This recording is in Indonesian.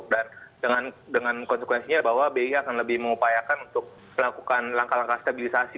dan dengan konsekuensinya bahwa bi akan lebih mengupayakan untuk melakukan langkah langkah stabilisasi